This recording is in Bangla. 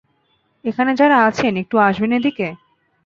এখানে যারা আছেন, একটু আসবেন এদিকে?